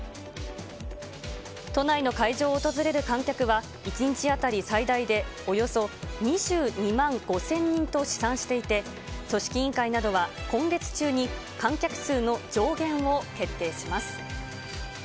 都内の会場を訪れる観客は、１日当たり最大でおよそ２２万５０００人と試算していて、組織委員会などは、今月中に観客数の上限を決定します。